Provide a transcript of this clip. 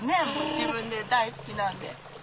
自分で大好きなんで。